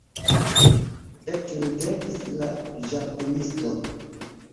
Ekridegis la ĝardenisto.